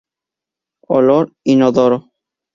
Olor: Inodoro.